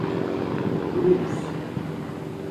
lous